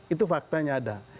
itu faktanya ada